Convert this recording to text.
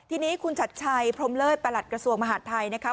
ทีนี้คุณชัดชัยพรมเลิศประหลัดกระทรวงมหาดไทยนะคะ